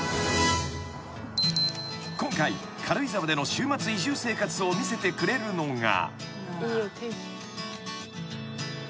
［今回軽井沢での週末移住生活を見せてくれるのが］